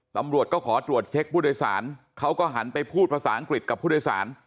ตำรวจก็ขอตรวจเช็คผู้โดยสารเขาก็หันไปพูดภาษาอังกฤษกับผู้โดยสาร